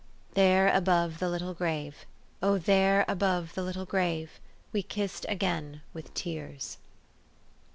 There above the little grave, Oh! there above the little grave, We kissed again with tears."